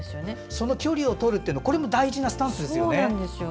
その距離をとるという大事なスタンスですよね。